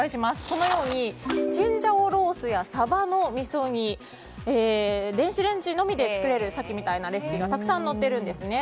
チンジャオロースやサバの味噌煮電子レンジのみで作れるさっきみたいなレシピがたくさん載っているんですね。